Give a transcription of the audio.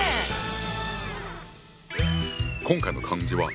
今回の漢字は。